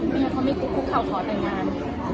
ไม่งั้นเขาไม่คิดว่าเขาขอแต่งงาน